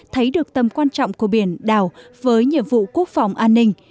thấy được tầm quan trọng của biển đảo với nhiệm vụ quốc phòng an ninh